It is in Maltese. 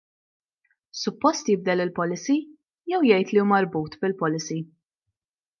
Suppost jibdel il-policy, jew jgħid li hu marbut bil-policy?